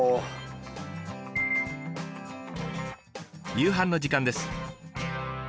夕飯の時間です。